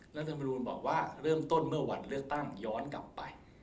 รัฐมนูลบอกว่าเริ่มต้นเมื่อวันเลือกตั้งย้อนกลับไป